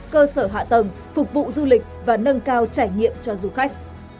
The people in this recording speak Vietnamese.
cơ sở hạ tầng phục vụ du lịch và nâng cao trải nghiệm cho du khách